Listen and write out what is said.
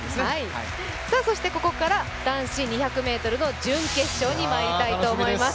そしてここから男子２００ｍの準決勝にまいりたいと思います。